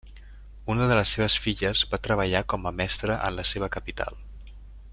Una de les seves filles va treballar com a mestre en la seva capital.